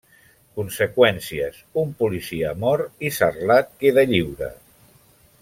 Conseqüències: un policia mor i Sarlat queda lliure.